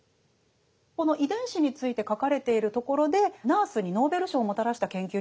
この遺伝子について書かれているところでナースにノーベル賞をもたらした研究について書かれてますね。